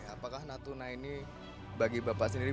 apakah natuna ini bagi bapak sendiri